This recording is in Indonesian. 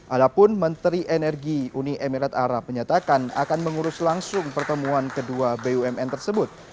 adapun menteri energi uni emirat arab menyatakan akan mengurus langsung pertemuan kedua bumn tersebut